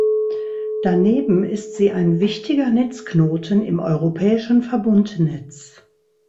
Daneben ist sie ein wichtiger Netzknoten im europäischen Verbundnetz.